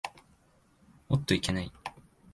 おっといけない。